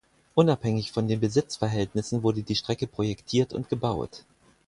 Unabhängig von den Besitzverhältnissen wurde die Strecke projektiert und gebaut.